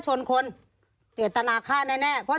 มีความรู้สึกว่ามีความรู้สึกว่า